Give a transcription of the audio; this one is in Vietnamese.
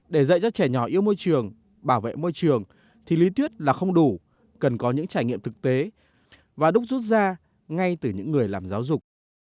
để dạy cho trẻ nhỏ yêu môi trường bảo vệ môi trường thì lý thuyết là không đủ cần có những trải nghiệm thực tế và đúc rút ra ngay từ những người làm giáo dục